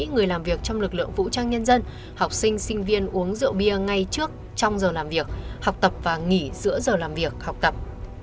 người làm việc trong lực lượng vũ trang nhân dân học sinh sinh viên uống rượu bia ngay trước trong giờ làm việc học tập và nghỉ giữa giờ làm việc học tập